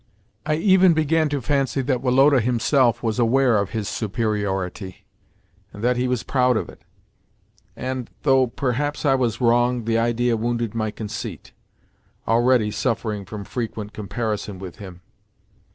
I even began to fancy that Woloda himself was aware of his superiority and that he was proud of it, and, though, perhaps, I was wrong, the idea wounded my conceit—already suffering from frequent comparison with him.